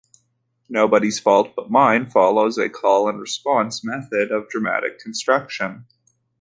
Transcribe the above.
"Nobody's Fault but Mine" follows a "call-and-response method of dramatic construction".